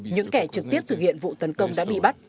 những kẻ trực tiếp thực hiện vụ tấn công đã bị bắt